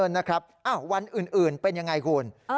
นะครับวันอื่นเป็นยังไงคุณ